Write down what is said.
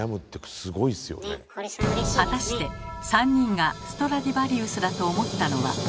果たして３人がストラディヴァリウスだと思ったのは？